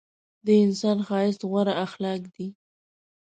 د انسان ښایست غوره اخلاق دي.